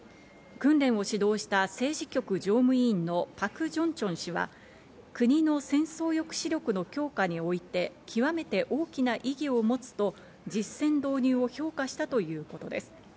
訓練を指導した政治局常務委員のパク・ジョンチョン氏は、国の戦争抑止力の強化において極めて大きな意義を持つと実戦導入を評価したということです。